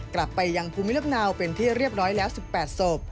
กลับไปยังภูมิลำเนาเป็นที่เรียบร้อยแล้ว๑๘ศพ